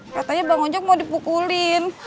katanya bang unjuk mau dipukulin